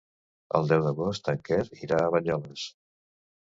El deu d'agost en Quer irà a Banyoles.